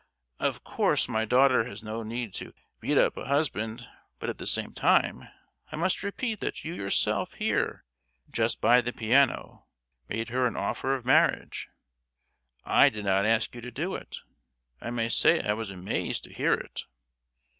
"Of course, my daughter has no need to beat up a husband; but at the same time, I must repeat that you yourself here, just by the piano, made her an offer of marriage. I did not ask you to do it! I may say I was amazed to hear it!